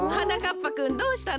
ぱくんどうしたの？